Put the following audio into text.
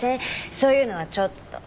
そういうのはちょっと。